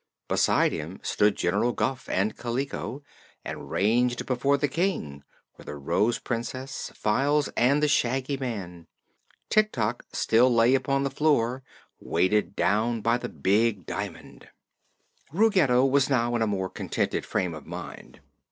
Beside him stood General Guph and Kaliko, and ranged before the King were the Rose Princess, Files and the Shaggy Man. Tik Tok still lay upon the floor, weighted down by the big diamond. Ruggedo was now in a more contented frame of mind.